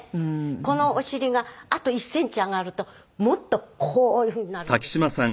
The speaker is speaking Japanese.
このお尻があと１センチ上がるともっとこういうふうになるんですよ。